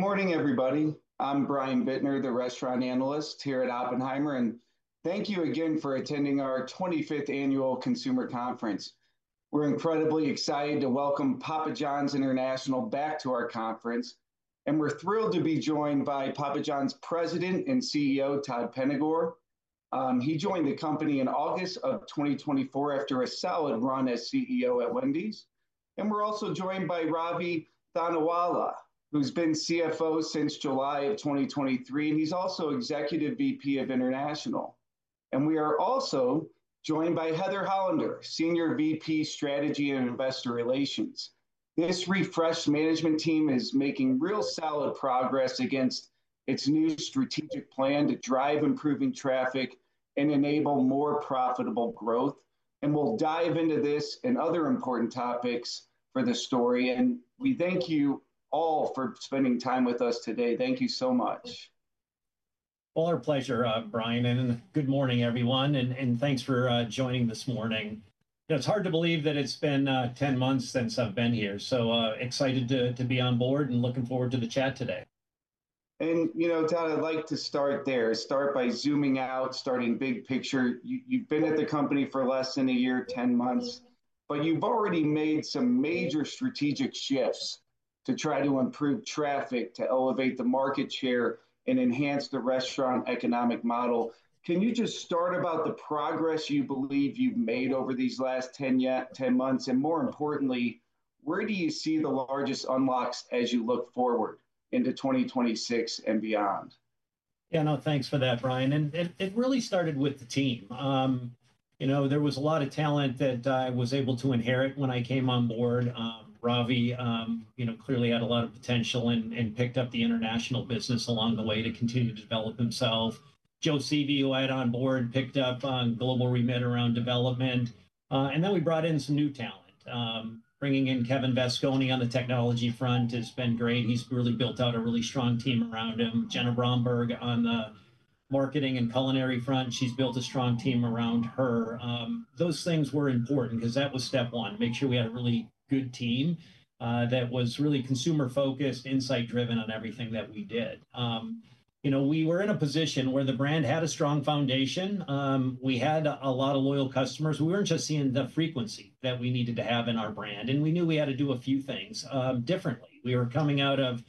Good morning, everybody. I'm Brian Bittner, the restaurant analyst here at Oppenheimer, and thank you again for attending our 25th Annual Consumer Conference. We're incredibly excited to welcome Papa John's International back to our conference, and we're thrilled to be joined by Papa John's President and CEO, Todd Penegor. He joined the company in August of 2024 after a solid run as CEO at Wendy's. We are also joined by Ravi Thanawala, who's been CFO since July of 2023, and he's also Executive VP of International. We are also joined by Heather Hollander, Senior VP Strategy and Investor Relations. This refreshed management team is making real solid progress against its new strategic plan to drive improving traffic and enable more profitable growth. We'll dive into this and other important topics for the story. We thank you all for spending time with us today. Thank you so much. Our pleasure, Brian, and good morning, everyone. Thanks for joining this morning. It's hard to believe that it's been 10 months since I've been here. So excited to be on board and looking forward to the chat today. Todd, I'd like to start there, start by zooming out, starting big picture. You've been at the company for less than a year, 10 months, but you've already made some major strategic shifts to try to improve traffic, to elevate the market share, and enhance the restaurant economic model. Can you just start about the progress you believe you've made over these last 10 months? And more importantly, where do you see the largest unlocks as you look forward into 2026 and beyond? Yeah, no, thanks for that, Brian. It really started with the team. You know, there was a lot of talent that I was able to inherit when I came on board. Ravi, you know, clearly had a lot of potential and picked up the international business along the way to continue to develop himself. Joe Seavey, who I had on board, picked up global remit around development. We brought in some new talent. Bringing in Kevin Vasconi on the technology front has been great. He's really built out a really strong team around him. Jenna Bromberg on the marketing and culinary front, she's built a strong team around her. Those things were important because that was step one, make sure we had a really good team that was really consumer-focused, insight-driven on everything that we did. You know, we were in a position where the brand had a strong foundation. We had a lot of loyal customers. We weren't just seeing the frequency that we needed to have in our brand, and we knew we had to do a few things differently. We were coming out of,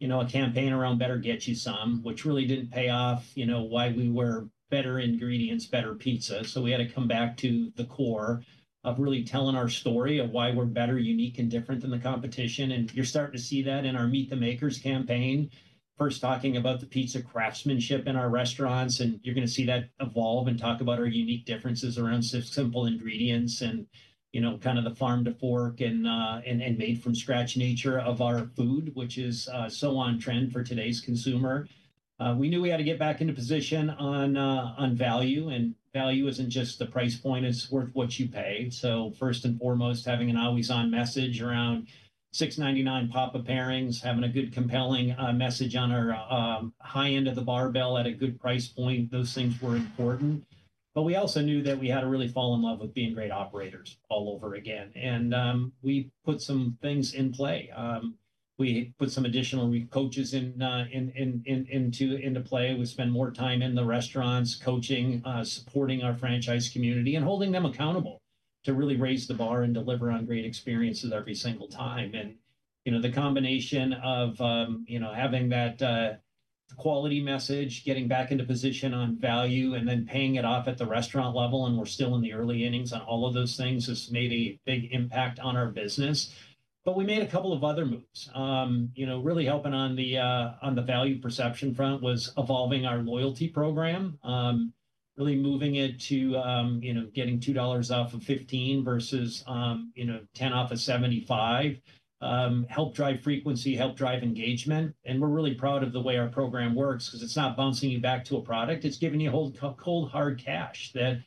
you know, a campaign around better get you some, which really didn't pay off, you know, why we were Better Ingredients, Better Pizza. We had to come back to the core of really telling our story of why we're better, unique, and different than the competition. You are starting to see that in our Meet the Makers campaign, first talking about the pizza craftsmanship in our restaurants, and you are going to see that evolve and talk about our unique differences around simple ingredients and, you know, kind of the farm to fork and made from scratch nature of our food, which is so on trend for today's consumer. We knew we had to get back into position on value, and value is not just the price point, it is worth what you pay. First and foremost, having an always-on message around $6.99 Papa Pairings, having a good compelling message on our high-end of the barbell at a good price point, those things were important. We also knew that we had to really fall in love with being great operators all over again. We put some things in play. We put some additional coaches into play. We spend more time in the restaurants coaching, supporting our franchise community and holding them accountable to really raise the bar and deliver on great experiences every single time. You know, the combination of, you know, having that quality message, getting back into position on value, and then paying it off at the restaurant level, and we're still in the early innings on all of those things, has made a big impact on our business. We made a couple of other moves. You know, really helping on the value perception front was evolving our loyalty program, really moving it to, you know, getting $2 off of $15 versus, you know, $10 off of $75, helped drive frequency, helped drive engagement. We're really proud of the way our program works because it's not bouncing you back to a product. It's giving you cold, hard cash that, you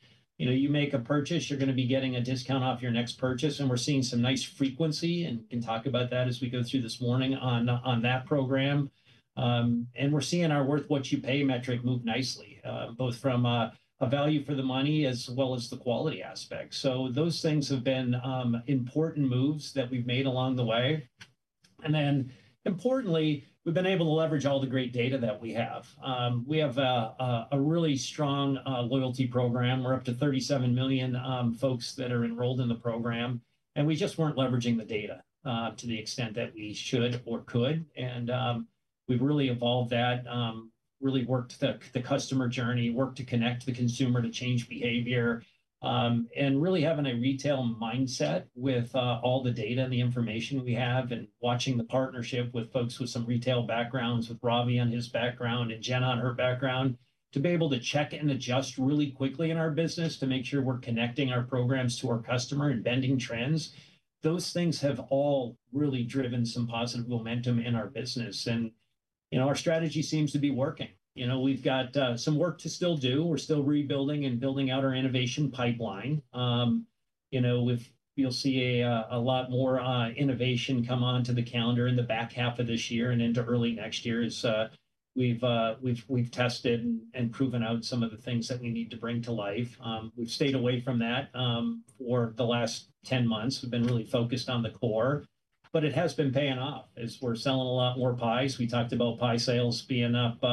know, you make a purchase, you're going to be getting a discount off your next purchase. We're seeing some nice frequency, and we can talk about that as we go through this morning on that program. We're seeing our worth what you pay metric move nicely, both from a value for the money as well as the quality aspect. Those things have been important moves that we've made along the way. Importantly, we've been able to leverage all the great data that we have. We have a really strong loyalty program. We're up to 37 million folks that are enrolled in the program, and we just weren't leveraging the data to the extent that we should or could. We have really evolved that, really worked the customer journey, worked to connect the consumer to change behavior, and really having a retail mindset with all the data and the information we have and watching the partnership with folks with some retail backgrounds, with Ravi on his background and Jen on her background, to be able to check and adjust really quickly in our business to make sure we are connecting our programs to our customer and bending trends. Those things have all really driven some positive momentum in our business. You know, our strategy seems to be working. You know, we have got some work to still do. We are still rebuilding and building out our innovation pipeline. You know, you'll see a lot more innovation come onto the calendar in the back half of this year and into early next year as we've tested and proven out some of the things that we need to bring to life. We've stayed away from that for the last 10 months. We've been really focused on the core, but it has been paying off as we're selling a lot more pies. We talked about pie sales being up,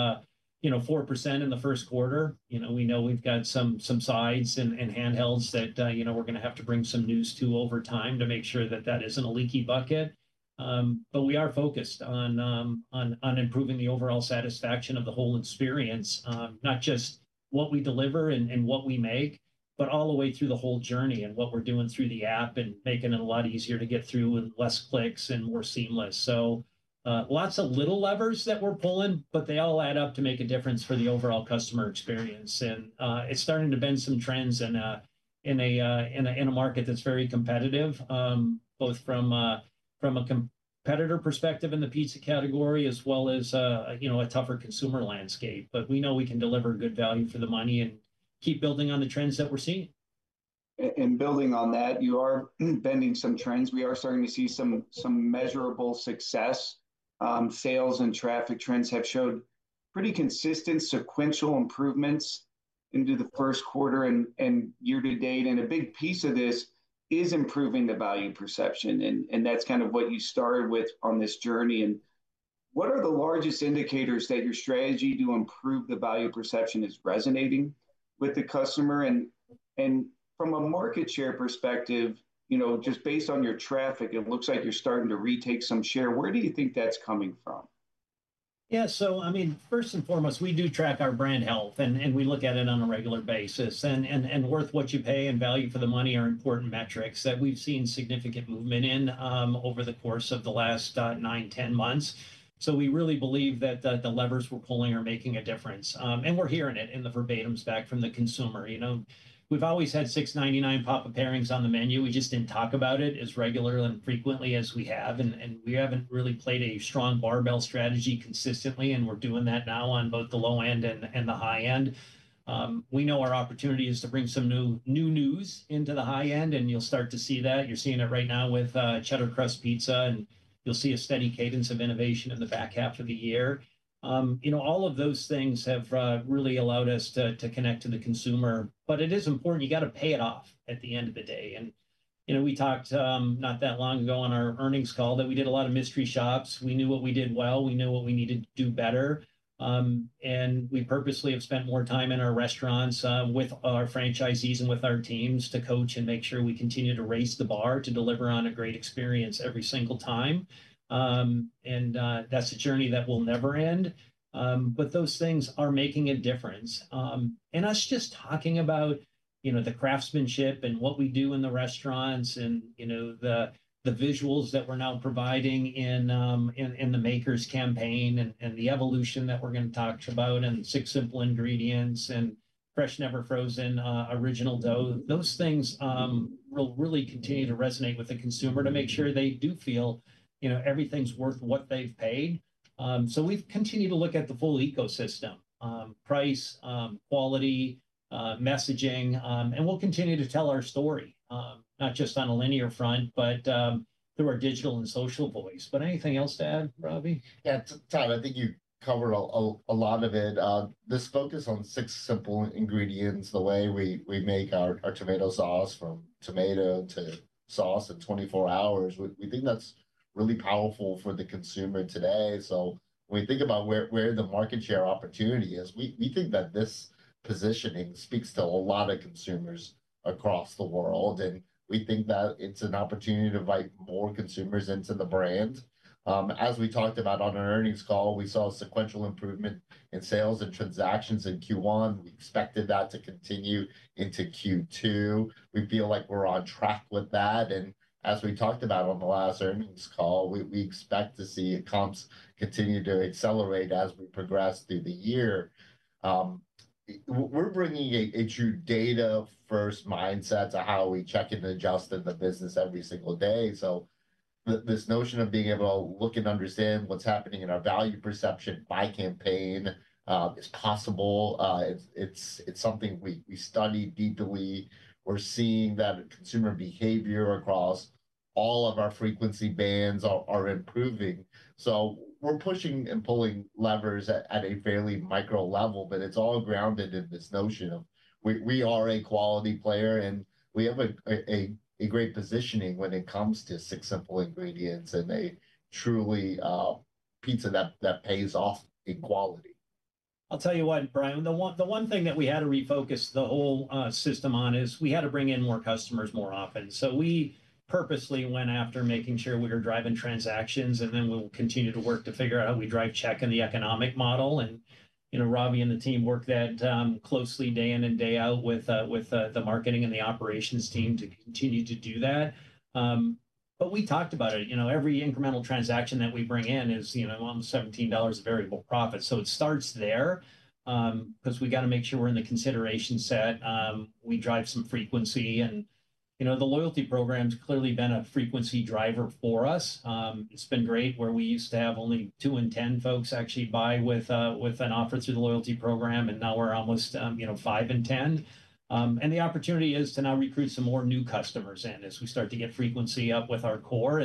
you know, 4% in the first quarter. You know, we know we've got some sides and handhelds that, you know, we're going to have to bring some news to over time to make sure that that isn't a leaky bucket. We are focused on improving the overall satisfaction of the whole experience, not just what we deliver and what we make, but all the way through the whole journey and what we're doing through the app and making it a lot easier to get through with less clicks and more seamless. Lots of little levers that we're pulling, but they all add up to make a difference for the overall customer experience. It's starting to bend some trends in a market that's very competitive, both from a competitor perspective in the pizza category as well as, you know, a tougher consumer landscape. We know we can deliver good value for the money and keep building on the trends that we're seeing. Building on that, you are bending some trends. We are starting to see some measurable success. Sales and traffic trends have showed pretty consistent sequential improvements into the first quarter and year to date. A big piece of this is improving the value perception. That is kind of what you started with on this journey. What are the largest indicators that your strategy to improve the value perception is resonating with the customer? From a market share perspective, you know, just based on your traffic, it looks like you are starting to retake some share. Where do you think that is coming from? Yeah, so, I mean, first and foremost, we do track our brand health, and we look at it on a regular basis. Worth what you pay and value for the money are important metrics that we've seen significant movement in over the course of the last nine, ten months. We really believe that the levers we're pulling are making a difference. We're hearing it in the verbatims back from the consumer. You know, we've always had $6.99 Papa Pairings on the menu. We just didn't talk about it as regularly and frequently as we have. We haven't really played a strong barbell strategy consistently, and we're doing that now on both the low end and the high end. We know our opportunity is to bring some new news into the high end, and you'll start to see that. You're seeing it right now with Cheddar Crust Pizza, and you'll see a steady cadence of innovation in the back half of the year. You know, all of those things have really allowed us to connect to the consumer. It is important. You got to pay it off at the end of the day. You know, we talked not that long ago on our earnings call that we did a lot of mystery shops. We knew what we did well. We knew what we needed to do better. We purposely have spent more time in our restaurants with our franchisees and with our teams to coach and make sure we continue to raise the bar to deliver on a great experience every single time. That's a journey that will never end. Those things are making a difference. Us just talking about, you know, the craftsmanship and what we do in the restaurants and, you know, the visuals that we're now providing in the Makers campaign and the evolution that we're going to talk about and Six Simple Ingredients and fresh, never frozen original dough, those things will really continue to resonate with the consumer to make sure they do feel, you know, everything's worth what they've paid. We have continued to look at the full ecosystem: price, quality, messaging. We will continue to tell our story, not just on a linear front, but through our digital and social voice. Anything else to add, Ravi? Yeah, Todd, I think you covered a lot of it. This focus on Six Simple Ingredients, the way we make our tomato sauce from tomato to sauce in 24 hours, we think that's really powerful for the consumer today. When we think about where the market share opportunity is, we think that this positioning speaks to a lot of consumers across the world. We think that it's an opportunity to invite more consumers into the brand. As we talked about on our earnings call, we saw a sequential improvement in sales and transactions in Q1. We expected that to continue into Q2. We feel like we're on track with that. As we talked about on the last earnings call, we expect to see comps continue to accelerate as we progress through the year. We're bringing a true data-first mindset to how we check and adjust in the business every single day. This notion of being able to look and understand what's happening in our value perception by campaign is possible. It's something we study deeply. We're seeing that consumer behavior across all of our frequency bands are improving. We're pushing and pulling levers at a fairly micro level, but it's all grounded in this notion of we are a quality player and we have a great positioning when it comes to Six Simple Ingredients and a truly pizza that pays off in quality. I'll tell you what, Brian. The one thing that we had to refocus the whole system on is we had to bring in more customers more often. We purposely went after making sure we were driving transactions, and then we'll continue to work to figure out how we drive check in the economic model. You know, Ravi and the team work that closely day in and day out with the marketing and the operations team to continue to do that. We talked about it. You know, every incremental transaction that we bring in is, you know, $17 of variable profit. It starts there because we got to make sure we're in the consideration set. We drive some frequency. You know, the loyalty program's clearly been a frequency driver for us. It's been great where we used to have only two in 10 folks actually buy with an offer through the loyalty program, and now we're almost, you know, five in 10. The opportunity is to now recruit some more new customers in as we start to get frequency up with our core.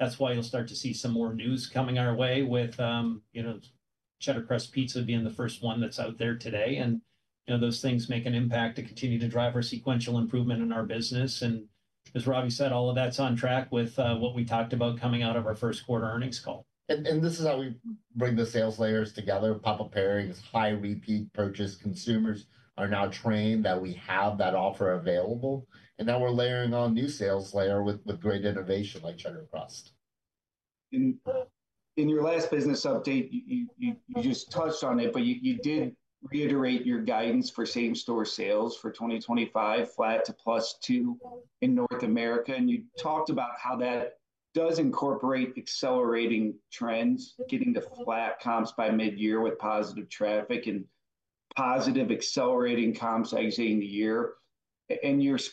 That's why you'll start to see some more news coming our way with, you know, Cheddar Crust Pizza being the first one that's out there today. You know, those things make an impact to continue to drive our sequential improvement in our business. As Ravi said, all of that's on track with what we talked about coming out of our first quarter earnings call. This is how we bring the sales layers together. Papa Pairings is high repeat purchase. Consumers are now trained that we have that offer available, and now we're layering on a new sales layer with great innovation like Cheddar Crust. In your last business update, you just touched on it, but you did reiterate your guidance for same-store sales for 2025, flat to +2% in North America. You talked about how that does incorporate accelerating trends, getting to flat comps by midyear with positive traffic and positive accelerating comps exiting the year. It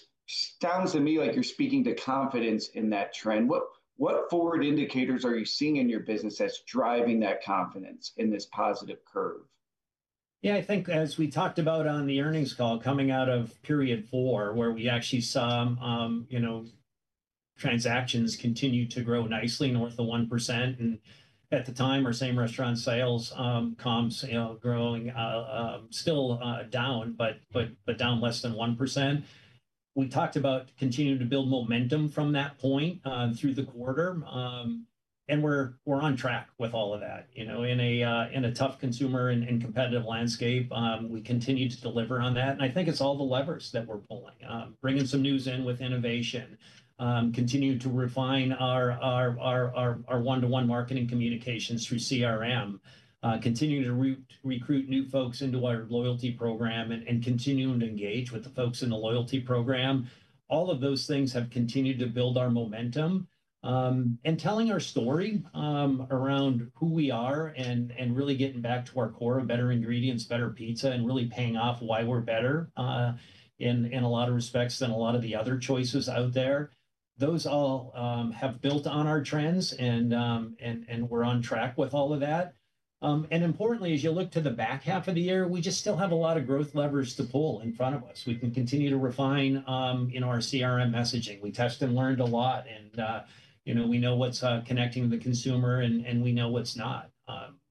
sounds to me like you're speaking to confidence in that trend. What forward indicators are you seeing in your business that's driving that confidence in this positive curve? Yeah, I think as we talked about on the earnings call coming out of period four, where we actually saw, you know, transactions continue to grow nicely north of 1%. At the time, our same restaurant sales comps were still down, but down less than 1%. We talked about continuing to build momentum from that point through the quarter. We're on track with all of that. You know, in a tough consumer and competitive landscape, we continue to deliver on that. I think it's all the levers that we're pulling, bringing some news in with innovation, continuing to refine our one-to-one marketing communications through CRM, continuing to recruit new folks into our loyalty program, and continuing to engage with the folks in the loyalty program. All of those things have continued to build our momentum and telling our story around who we are and really getting back to our core of Better Ingredients, Better Pizza, and really paying off why we're better in a lot of respects than a lot of the other choices out there. Those all have built on our trends, and we're on track with all of that. Importantly, as you look to the back half of the year, we just still have a lot of growth levers to pull in front of us. We can continue to refine our CRM messaging. We test and learned a lot, and, you know, we know what's connecting the consumer, and we know what's not.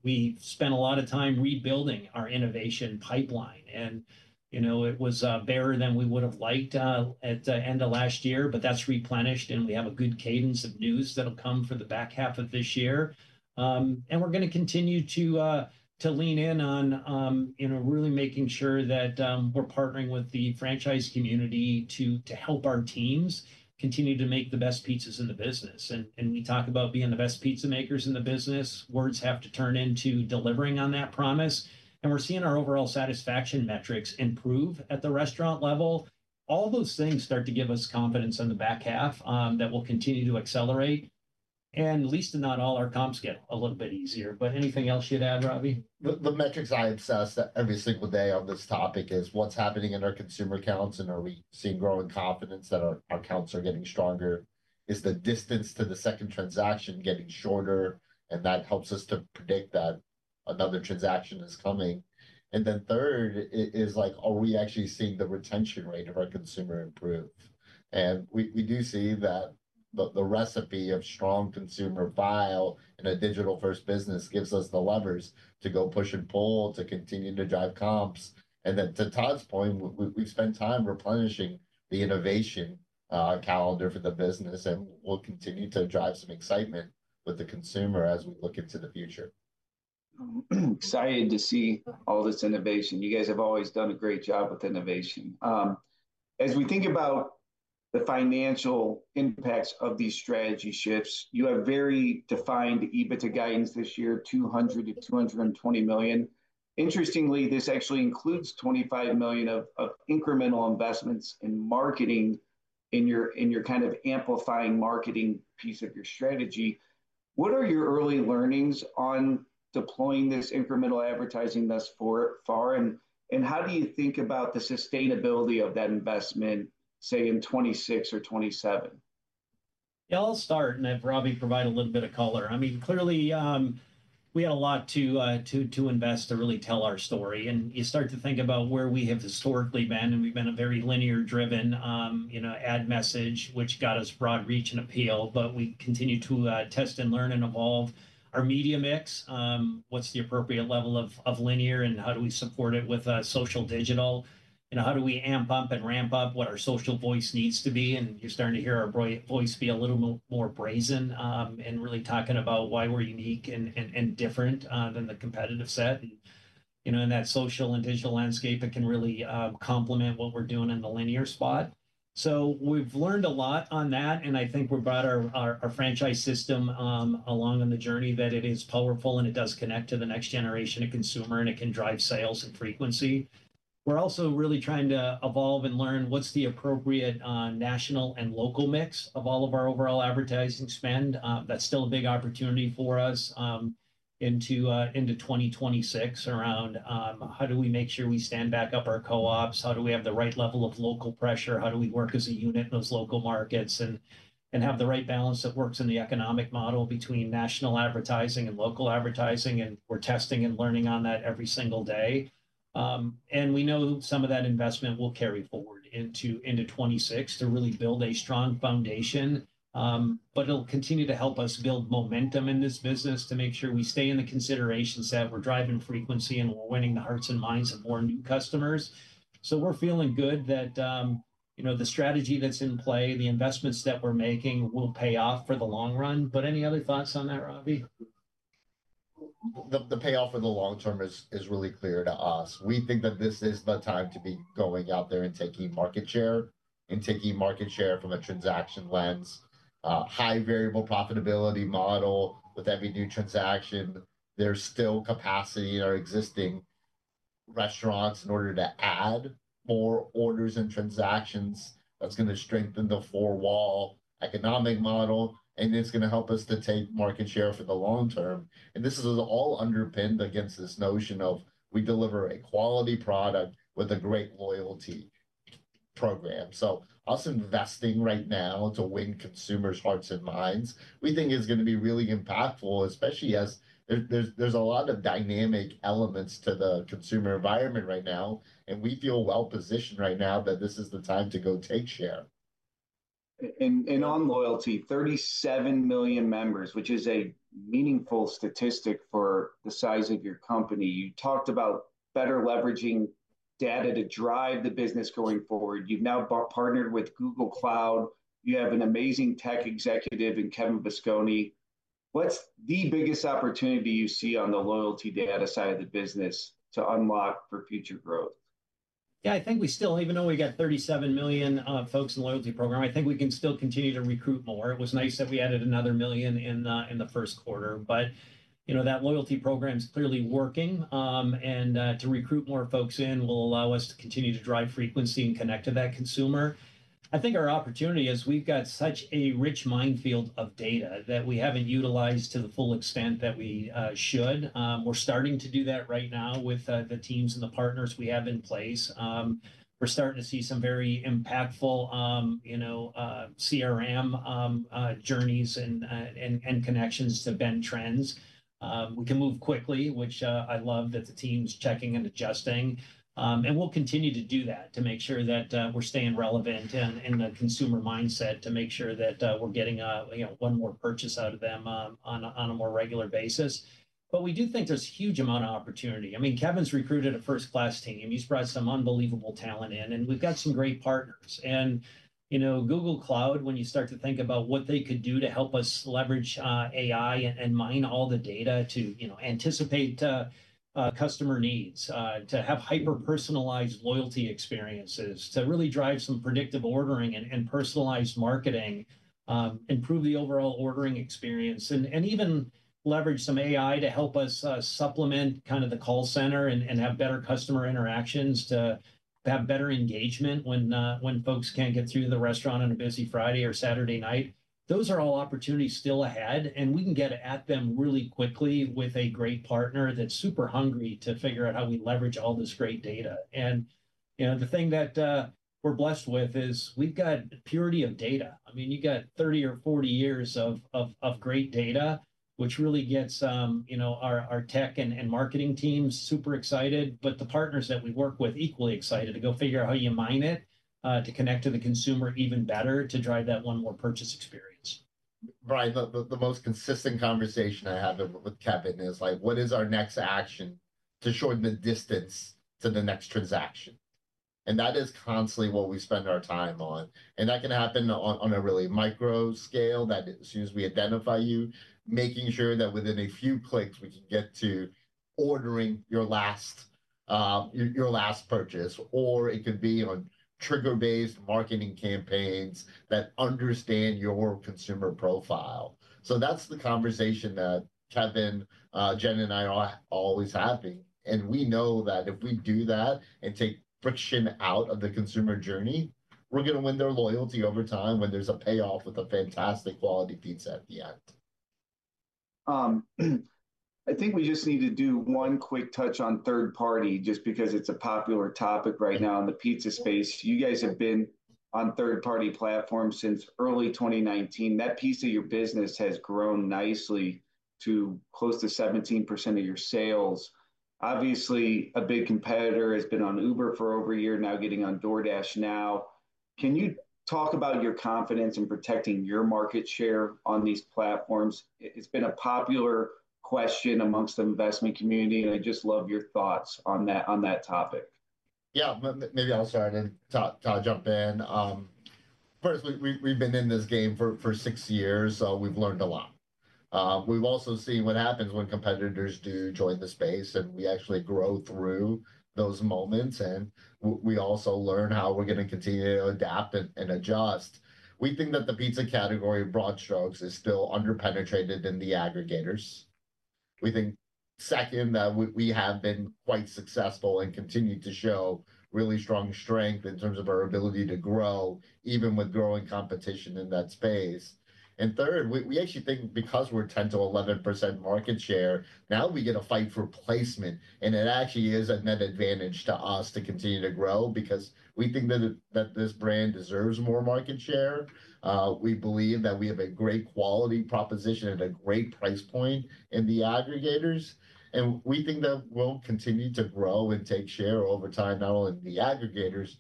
We spent a lot of time rebuilding our innovation pipeline. You know, it was barer than we would have liked at the end of last year, but that's replenished, and we have a good cadence of news that'll come for the back half of this year. We're going to continue to lean in on, you know, really making sure that we're partnering with the franchise community to help our teams continue to make the best pizzas in the business. We talk about being the best pizza makers in the business. Words have to turn into delivering on that promise. We're seeing our overall satisfaction metrics improve at the restaurant level. All those things start to give us confidence in the back half that we'll continue to accelerate. Least of not all, our comps get a little bit easier. Anything else you'd add, Ravi? The metrics I obsess every single day on this topic is what's happening in our consumer accounts, and are we seeing growing confidence that our accounts are getting stronger? Is the distance to the second transaction getting shorter? That helps us to predict that another transaction is coming. Third is like, are we actually seeing the retention rate of our consumer improve? We do see that the recipe of strong consumer buy in a digital-first business gives us the levers to go push and pull to continue to drive comps. To Todd's point, we've spent time replenishing the innovation calendar for the business, and we'll continue to drive some excitement with the consumer as we look into the future. Excited to see all this innovation. You guys have always done a great job with innovation. As we think about the financial impacts of these strategy shifts, you have very defined EBITDA guidance this year, $200 million-$220 million. Interestingly, this actually includes $25 million of incremental investments in marketing in your kind of amplifying marketing piece of your strategy. What are your early learnings on deploying this incremental advertising thus far? And how do you think about the sustainability of that investment, say, in 2026 or 2027? Yeah, I'll start, and then Ravi provide a little bit of color. I mean, clearly, we had a lot to invest to really tell our story. You start to think about where we have historically been, and we've been a very linear-driven, you know, ad message, which got us broad reach and appeal. We continue to test and learn and evolve our media mix. What's the appropriate level of linear, and how do we support it with social digital? You know, how do we amp up and ramp up what our social voice needs to be? You're starting to hear our voice be a little more brazen and really talking about why we're unique and different than the competitive set. You know, in that social and digital landscape, it can really complement what we're doing in the linear spot. We've learned a lot on that, and I think we brought our franchise system along on the journey that it is powerful and it does connect to the next generation of consumer and it can drive sales and frequency. We're also really trying to evolve and learn what's the appropriate national and local mix of all of our overall advertising spend. That's still a big opportunity for us into 2026 around how do we make sure we stand back up our co-ops, how do we have the right level of local pressure, how do we work as a unit in those local markets, and have the right balance that works in the economic model between national advertising and local advertising. We're testing and learning on that every single day. We know some of that investment will carry forward into 2026 to really build a strong foundation. It'll continue to help us build momentum in this business to make sure we stay in the consideration set. We're driving frequency and we're winning the hearts and minds of more new customers. We're feeling good that, you know, the strategy that's in play, the investments that we're making will pay off for the long run. Any other thoughts on that, Ravi? The payoff for the long term is really clear to us. We think that this is the time to be going out there and taking market share and taking market share from a transaction lens. High variable profitability model with every new transaction. There is still capacity in our existing restaurants in order to add more orders and transactions. That is going to strengthen the four-wall economic model, and it is going to help us to take market share for the long term. This is all underpinned against this notion of we deliver a quality product with a great loyalty program. Us investing right now to win consumers' hearts and minds, we think is going to be really impactful, especially as there is a lot of dynamic elements to the consumer environment right now. We feel well-positioned right now that this is the time to go take share. On loyalty, 37 million members, which is a meaningful statistic for the size of your company. You talked about better leveraging data to drive the business going forward. You have now partnered with Google Cloud. You have an amazing tech executive in Kevin Vasconi. What is the biggest opportunity you see on the loyalty data side of the business to unlock for future growth? Yeah, I think we still, even though we got 37 million folks in the loyalty program, I think we can still continue to recruit more. It was nice that we added another million in the first quarter. You know, that loyalty program is clearly working. To recruit more folks in will allow us to continue to drive frequency and connect to that consumer. I think our opportunity is we've got such a rich minefield of data that we haven't utilized to the full extent that we should. We're starting to do that right now with the teams and the partners we have in place. We're starting to see some very impactful, you know, CRM journeys and connections to bend trends. We can move quickly, which I love that the team's checking and adjusting. We will continue to do that to make sure that we're staying relevant in the consumer mindset to make sure that we're getting one more purchase out of them on a more regular basis. We do think there's a huge amount of opportunity. I mean, Kevin's recruited a first-class team. He's brought some unbelievable talent in, and we've got some great partners. You know, Google Cloud, when you start to think about what they could do to help us leverage AI and mine all the data to anticipate customer needs, to have hyper-personalized loyalty experiences, to really drive some predictive ordering and personalized marketing, improve the overall ordering experience, and even leverage some AI to help us supplement kind of the call center and have better customer interactions to have better engagement when folks can't get through the restaurant on a busy Friday or Saturday night. Those are all opportunities still ahead, and we can get at them really quickly with a great partner that's super hungry to figure out how we leverage all this great data. You know, the thing that we're blessed with is we've got purity of data. I mean, you've got 30 or 40 years of great data, which really gets, you know, our tech and marketing teams super excited, but the partners that we work with equally excited to go figure out how you mine it to connect to the consumer even better to drive that one more purchase experience. Right. The most consistent conversation I have with Kevin is like, what is our next action to shorten the distance to the next transaction? That is constantly what we spend our time on. That can happen on a really micro scale that as soon as we identify you, making sure that within a few clicks, we can get to ordering your last purchase, or it could be on trigger-based marketing campaigns that understand your consumer profile. That is the conversation that Kevin, Jenna, and I are always having. We know that if we do that and take friction out of the consumer journey, we are going to win their loyalty over time when there is a payoff with a fantastic quality pizza at the end. I think we just need to do one quick touch on third-party just because it's a popular topic right now in the pizza space. You guys have been on third-party platforms since early 2019. That piece of your business has grown nicely to close to 17% of your sales. Obviously, a big competitor has been on Uber for over a year now, getting on DoorDash now. Can you talk about your confidence in protecting your market share on these platforms? It's been a popular question amongst the investment community, and I just love your thoughts on that topic. Yeah, maybe I'll start and Todd, jump in. First, we've been in this game for six years, so we've learned a lot. We've also seen what happens when competitors do join the space, and we actually grow through those moments, and we also learn how we're going to continue to adapt and adjust. We think that the pizza category, in broad strokes, is still underpenetrated in the aggregators. We think, second, that we have been quite successful and continue to show really strong strength in terms of our ability to grow even with growing competition in that space. Third, we actually think because we're 10%-11% market share, now we get a fight for placement, and it actually is a net advantage to us to continue to grow because we think that this brand deserves more market share. We believe that we have a great quality proposition at a great price point in the aggregators, and we think that we'll continue to grow and take share over time, not only in the aggregators,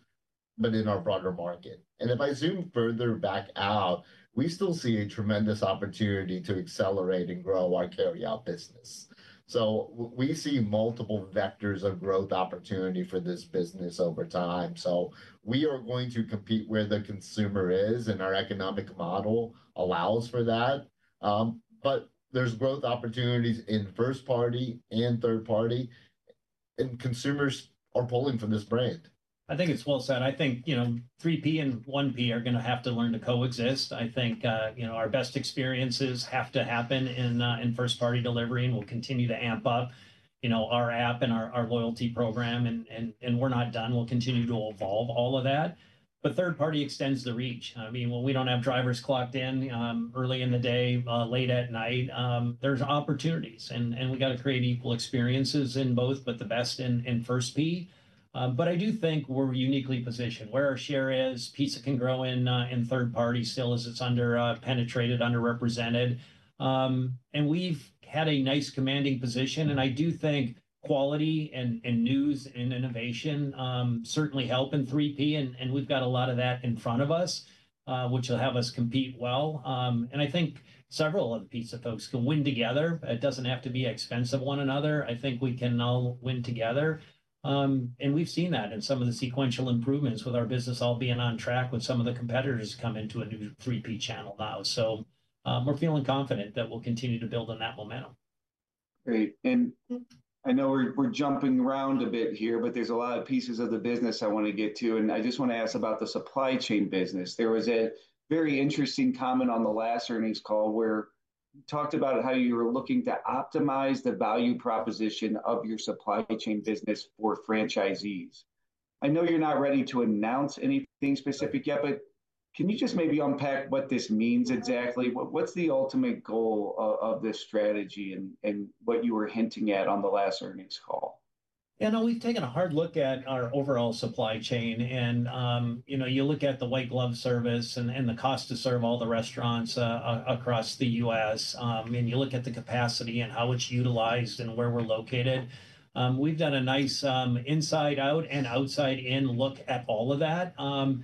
but in our broader market. If I zoom further back out, we still see a tremendous opportunity to accelerate and grow our carryout business. We see multiple vectors of growth opportunity for this business over time. We are going to compete where the consumer is, and our economic model allows for that. There are growth opportunities in first-party and third-party, and consumers are pulling from this brand. I think it's well said. I think, you know, 3P and 1P are going to have to learn to coexist. I think, you know, our best experiences have to happen in first-party delivery, and we'll continue to amp up, you know, our app and our loyalty program, and we're not done. We'll continue to evolve all of that. Third-party extends the reach. I mean, we don't have drivers clocked in early in the day, late at night. There's opportunities, and we got to create equal experiences in both, but the best in first P. I do think we're uniquely positioned. Where our share is, pizza can grow in third-party still as it's underpenetrated, underrepresented. We have had a nice commanding position, and I do think quality and news and innovation certainly help in 3P, and we have got a lot of that in front of us, which will have us compete well. I think several of the pizza folks can win together. It does not have to be expensive one another. I think we can all win together. We have seen that in some of the sequential improvements with our business all being on track with some of the competitors coming into a new 3P channel now. We are feeling confident that we will continue to build on that momentum. Great. I know we're jumping around a bit here, but there's a lot of pieces of the business I want to get to. I just want to ask about the supply chain business. There was a very interesting comment on the last earnings call where you talked about how you were looking to optimize the value proposition of your supply chain business for franchisees. I know you're not ready to announce anything specific yet, but can you just maybe unpack what this means exactly? What's the ultimate goal of this strategy and what you were hinting at on the last earnings call? Yeah, no, we've taken a hard look at our overall supply chain. You know, you look at the white glove service and the cost to serve all the restaurants across the U.S., and you look at the capacity and how it's utilized and where we're located. We've done a nice inside out and outside in look at all of that and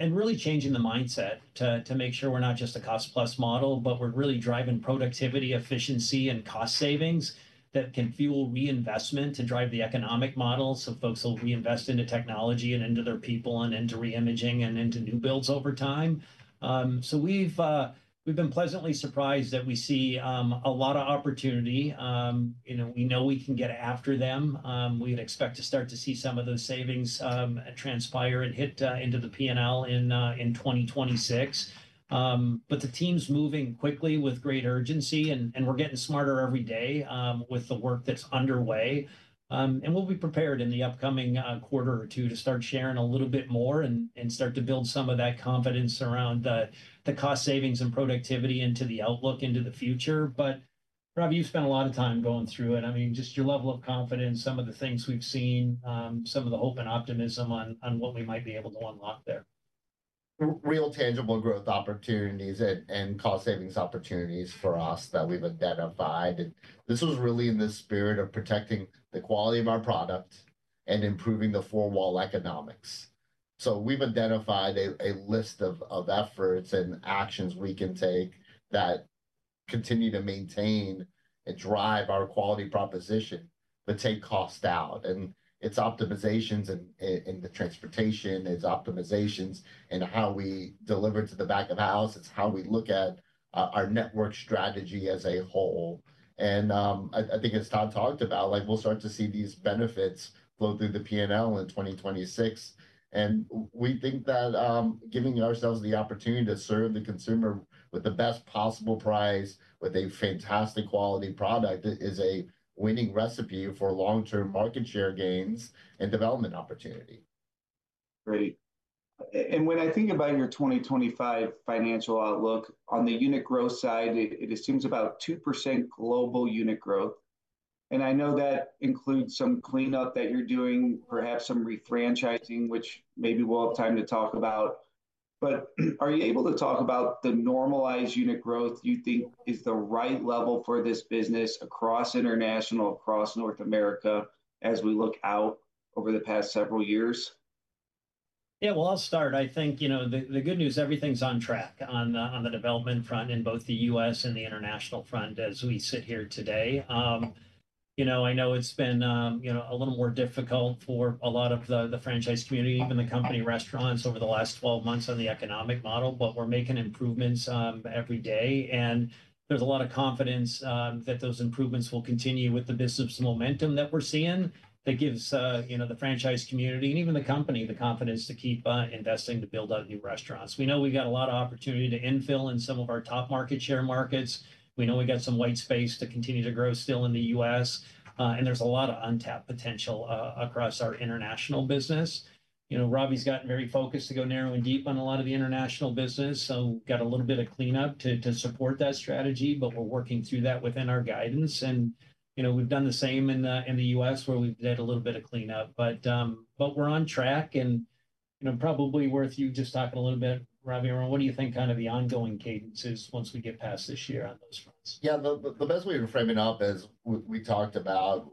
really changing the mindset to make sure we're not just a cost-plus model, but we're really driving productivity, efficiency, and cost savings that can fuel reinvestment to drive the economic model. Folks will reinvest into technology and into their people and into reimaging and into new builds over time. We've been pleasantly surprised that we see a lot of opportunity. You know, we know we can get after them. We expect to start to see some of those savings transpire and hit into the P&L in 2026. The team's moving quickly with great urgency, and we're getting smarter every day with the work that's underway. We'll be prepared in the upcoming quarter or two to start sharing a little bit more and start to build some of that confidence around the cost savings and productivity into the outlook into the future. Ravi, you spent a lot of time going through it. I mean, just your level of confidence, some of the things we've seen, some of the hope and optimism on what we might be able to unlock there. Real tangible growth opportunities and cost savings opportunities for us that we've identified. This was really in the spirit of protecting the quality of our product and improving the four-wall economics. We have identified a list of efforts and actions we can take that continue to maintain and drive our quality proposition, but take cost out. It is optimizations in the transportation, it is optimizations in how we deliver to the back of house. It is how we look at our network strategy as a whole. I think as Todd talked about, we will start to see these benefits flow through the P&L in 2026. We think that giving ourselves the opportunity to serve the consumer with the best possible price with a fantastic quality product is a winning recipe for long-term market share gains and development opportunity. Great. When I think about your 2025 financial outlook on the unit growth side, it assumes about 2% global unit growth. I know that includes some cleanup that you're doing, perhaps some refranchising, which maybe we'll have time to talk about. Are you able to talk about the normalized unit growth you think is the right level for this business across international, across North America as we look out over the past several years? Yeah, I'll start. I think, you know, the good news, everything's on track on the development front in both the U.S. and the international front as we sit here today. You know, I know it's been, you know, a little more difficult for a lot of the franchise community, even the company restaurants over the last 12 months on the economic model, but we're making improvements every day. There's a lot of confidence that those improvements will continue with the business momentum that we're seeing that gives, you know, the franchise community and even the company the confidence to keep investing to build out new restaurants. We know we've got a lot of opportunity to infill in some of our top market share markets. We know we've got some white space to continue to grow still in the U.S. There is a lot of untapped potential across our international business. You know, Ravi's gotten very focused to go narrow and deep on a lot of the international business. We have a little bit of cleanup to support that strategy, but we are working through that within our guidance. You know, we have done the same in the U.S. where we have done a little bit of cleanup, but we are on track. You know, probably worth you just talking a little bit, Ravi, around what do you think kind of the ongoing cadences once we get past this year on those fronts? Yeah, the best way to frame it up as we talked about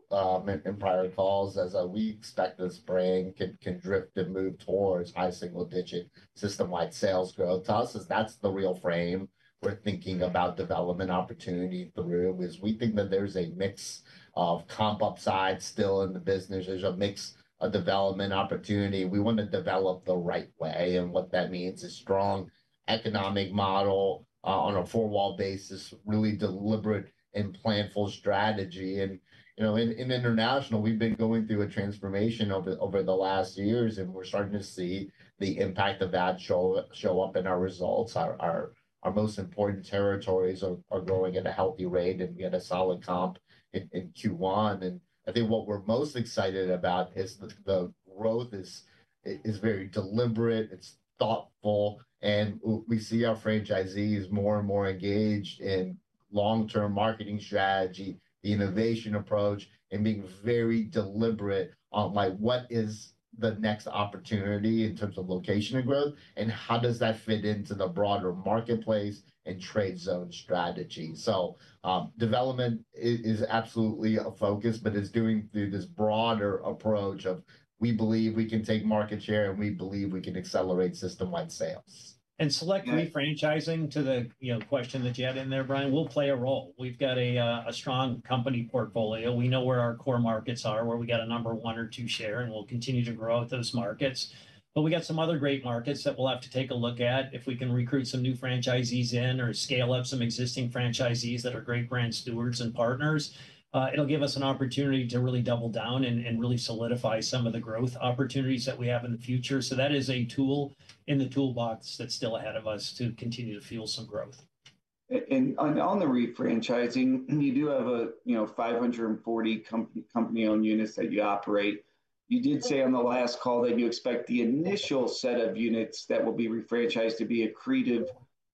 in prior calls is we expect this brand can drift and move towards high single-digit system-wide sales growth. To us, that's the real frame we're thinking about development opportunity through is we think that there's a mix of comp upside still in the business. There's a mix of development opportunity. We want to develop the right way. What that means is strong economic model on a four-wall basis, really deliberate and planful strategy. You know, in international, we've been going through a transformation over the last years, and we're starting to see the impact of that show up in our results. Our most important territories are growing at a healthy rate, and we had a solid comp in Q1. I think what we're most excited about is the growth is very deliberate. It's thoughtful. We see our franchisees more and more engaged in long-term marketing strategy, the innovation approach, and being very deliberate on what is the next opportunity in terms of location and growth, and how does that fit into the broader marketplace and trade zone strategy. Development is absolutely a focus, but it's doing through this broader approach of we believe we can take market share, and we believe we can accelerate system-wide sales. Select refranchising to the, you know, question that you had in there, Brian, will play a role. We've got a strong company portfolio. We know where our core markets are, where we got a number one or two share, and we'll continue to grow with those markets. We got some other great markets that we'll have to take a look at if we can recruit some new franchisees in or scale up some existing franchisees that are great brand stewards and partners. It'll give us an opportunity to really double down and really solidify some of the growth opportunities that we have in the future. That is a tool in the toolbox that's still ahead of us to continue to fuel some growth. On the refranchising, you do have, you know, 540 company-owned units that you operate. You did say on the last call that you expect the initial set of units that will be refranchised to be accretive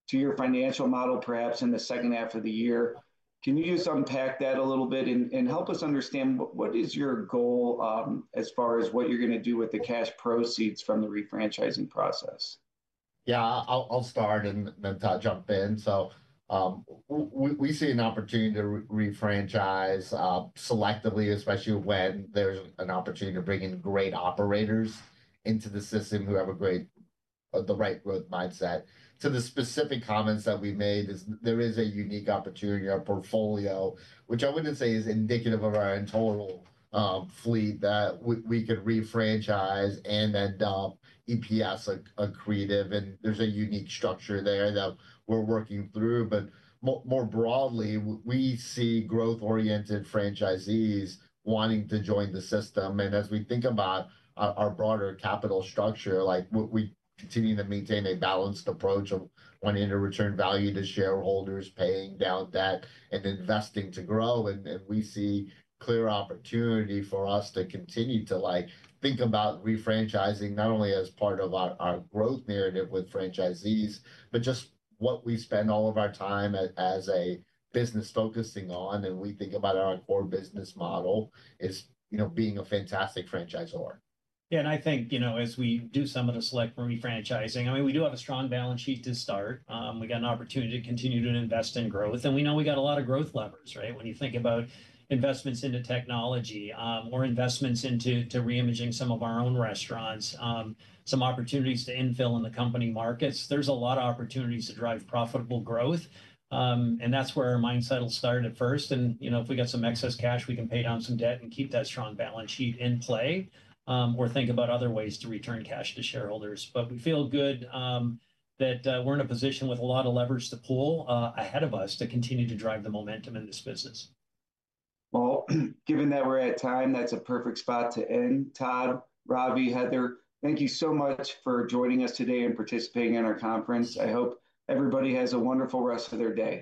to your financial model, perhaps in the second half of the year. Can you just unpack that a little bit and help us understand what is your goal as far as what you're going to do with the cash proceeds from the refranchising process? Yeah, I'll start and then Todd jump in. We see an opportunity to refranchise selectively, especially when there's an opportunity to bring in great operators into the system who have a great, the right growth mindset. To the specific comments that we made, there is a unique opportunity in our portfolio, which I wouldn't say is indicative of our total fleet that we could refranchise and end up EPS accretive. There is a unique structure there that we're working through. More broadly, we see growth-oriented franchisees wanting to join the system. As we think about our broader capital structure, we continue to maintain a balanced approach of wanting to return value to shareholders, paying down debt, and investing to grow. We see clear opportunity for us to continue to think about refranchising not only as part of our growth narrative with franchisees, but just what we spend all of our time as a business focusing on. We think about our core business model as, you know, being a fantastic franchisor. Yeah, and I think, you know, as we do some of the select refranchising, I mean, we do have a strong balance sheet to start. We got an opportunity to continue to invest in growth. We know we got a lot of growth levers, right? When you think about investments into technology or investments into reimaging some of our own restaurants, some opportunities to infill in the company markets, there's a lot of opportunities to drive profitable growth. That's where our mindset will start at first. You know, if we got some excess cash, we can pay down some debt and keep that strong balance sheet in play or think about other ways to return cash to shareholders. We feel good that we're in a position with a lot of leverage to pull ahead of us to continue to drive the momentum in this business. Given that we're at time, that's a perfect spot to end. Todd, Ravi, Heather, thank you so much for joining us today and participating in our conference. I hope everybody has a wonderful rest of their day.